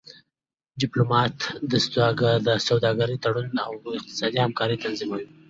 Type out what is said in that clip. ډيپلومات د سوداګری تړونونه او اقتصادي همکاری تنظیموي.